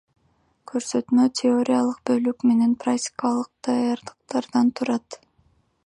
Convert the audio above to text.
Көрсөтмө теориялык бөлүк менен практикалык даярдыктардан турат.